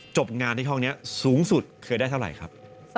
จบงานที่ห้องนี้สูงสุดเคยได้เท่าไหร่ครับ